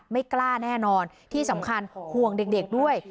ไม่กล้าแน่นอนที่สำคัญห่วงเด็กด้วย